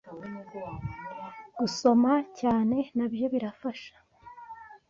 Gusoma cyane nabyo birafasha